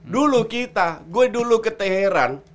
dulu kita gue dulu ke teheran